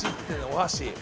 お箸！